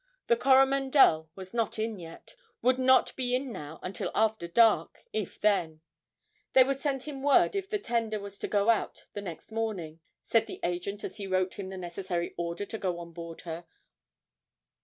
The 'Coromandel' was not in yet; would not be in now until after dark if then. They would send him word if the tender was to go out the next morning, said the agent as he wrote him the necessary order to go on board her.